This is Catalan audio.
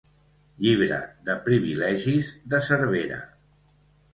Llibre de privilegis de Cervera.